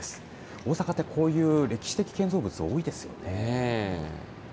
大阪ってこういう歴史的な建造物多いですよね。